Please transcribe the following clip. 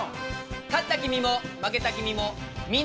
勝った君も負けた君もみんなで歌おうよ！